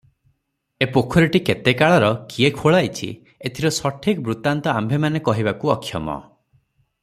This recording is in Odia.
ଏ ପୋଖରୀଟି କେତେକାଳର, କିଏ ଖୋଳାଇଛି ଏଥିର ସଟୀକ ବୃତ୍ତାନ୍ତ ଆମ୍ଭେମାନେ କହିବାକୁ ଅକ୍ଷମ ।